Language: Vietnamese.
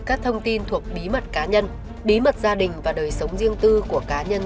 các thông tin thuộc bí mật cá nhân bí mật gia đình và đời sống riêng tư của cá nhân